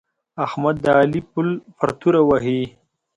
احمد د علي پل پر توره وهي.